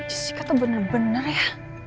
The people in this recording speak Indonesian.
jessica tuh bener bener ya